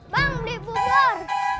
bang di bubur